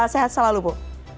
sehat selalu bu